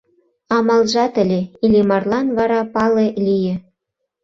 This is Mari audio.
Амалжат ыле — Иллимарлан вара пале лие.